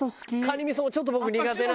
みそもちょっと僕苦手。